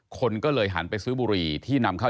คนก็เลยหันไปซื้อบุหรี่ที่นำเข้า